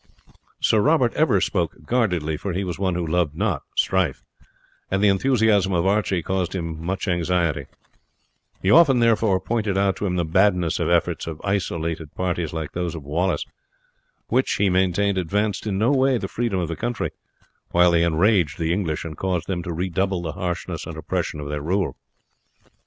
Sir Robert ever spoke guardedly, for he was one who loved not strife, and the enthusiasm of Archie caused him much anxiety; he often, therefore, pointed out to him the madness of efforts of isolated parties like those of Wallace, which, he maintained, advanced in no way the freedom of the country, while they enraged the English and caused them to redouble the harshness and oppression of their rule.